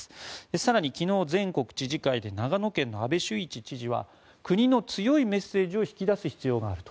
更に昨日、全国知事会で長野県の阿部守一知事は国の強いメッセージを引き出す必要があると。